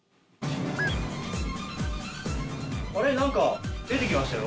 あれっ何か出て来ましたよ。